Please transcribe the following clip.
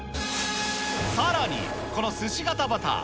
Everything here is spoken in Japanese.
さらに、このすし型バター。